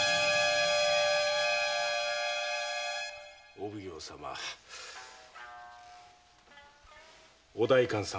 お奉行様お代官様。